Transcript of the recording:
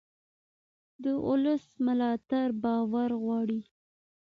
د ولس ملاتړ باور غواړي